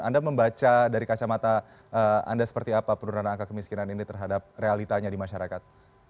anda membaca dari kacamata anda seperti apa penurunan angka kemiskinan ini terhadap realitanya di masyarakat